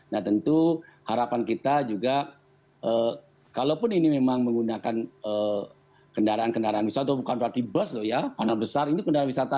nah tentu harapan kita juga kalaupun ini memang menggunakan kendaraan kendaraan wisata bukan berarti bus loh ya padahal besar ini kendaraan wisata